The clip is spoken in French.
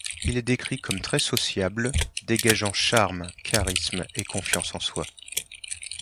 Il est décrit comme très sociable, dégageant charme, charisme et confiance en soi.